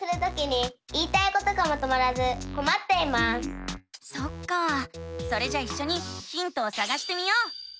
わたしはそっかあそれじゃあいっしょにヒントをさがしてみよう！